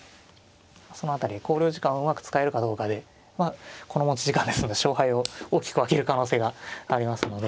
その辺り考慮時間をうまく使えるかどうかでこの持ち時間ですので勝敗を大きく分ける可能性がありますので。